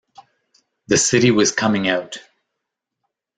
The City was coming out!